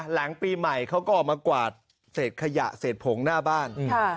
หลังปีใหม่เขาก็ออกมากวาดเศษขยะเศษผงหน้าบ้าน